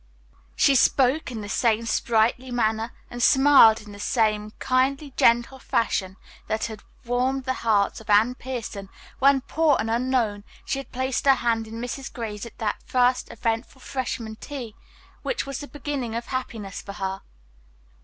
She spoke in the same sprightly manner, and smiled in the same kindly, gentle fashion that had warmed the heart of Anne Pierson when, poor and unknown, she had placed her hand in Mrs. Gray's at that first eventful freshman tea which was the beginning of happiness for her.